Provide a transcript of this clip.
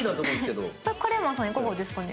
カレーマンさんいかがですかね？